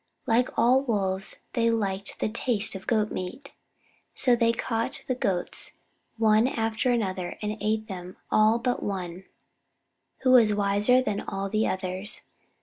Like all Wolves they liked the taste of Goat meat. So they caught the Goats, one after another, and ate them all but one who was wiser than all the others.